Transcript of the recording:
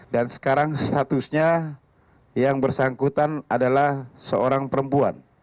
dan sekarang statusnya yang bersangkutan adalah seorang perempuan